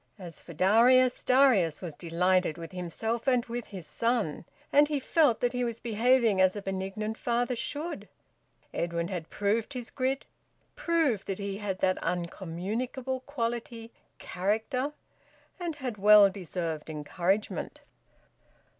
As for Darius, Darius was delighted with himself and with his son, and he felt that he was behaving as a benignant father should. Edwin had proved his grit, proved that he had that uncommunicable quality, `character,' and had well deserved encouragement.